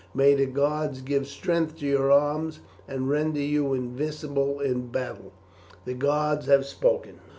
May the gods give strength to your arms and render you invincible in battle! The gods have spoken."